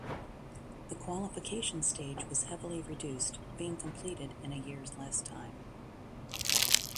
The qualification stage was heavily reduced, being completed in a year's less time.